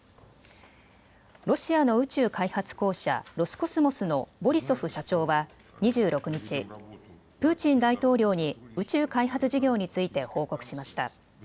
ロシアの宇宙開発公社、ロスコスモスのボリソフ社長は２６日、プーチン大統領に宇宙開発事業について報告しました。